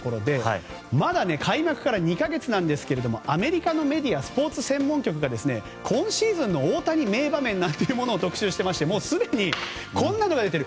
まだ開幕から２か月なんですがアメリカのメディアスポーツ専門局が今シーズンの大谷名場面というものを特集していましてもうすでに、こんなのが出てる。